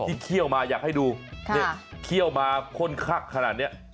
เคี่ยวมาอยากให้ดูเนี่ยเคี่ยวมาข้นคักขนาดนี้